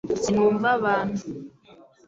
sinumva abantu